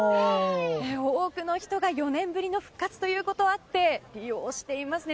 多くの人が４年ぶりの復活ということがあって利用していますね。